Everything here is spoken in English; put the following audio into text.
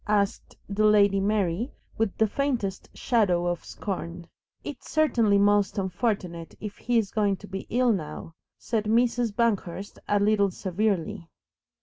asked the Lady Mary, with the faintest shadow of scorn. "It's certainly most unfortunate if he's going to be ill now," said Mrs. Banghurst a little severely.